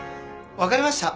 分かりました。